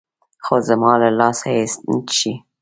خو زما له لاسه يې نه چښي.